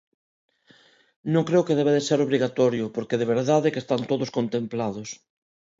Non creo que deba de ser obrigatorio porque de verdade que están todos contemplados.